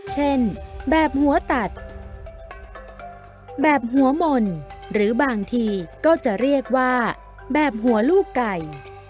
เช่นแบบหัวตัดแบบหัวมนต์หรือบางทีก็จะเรียกว่าแบบหัวลูกไก่